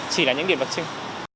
chỉ là những điểm đặc trưng